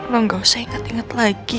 lo gak usah inget inget lagi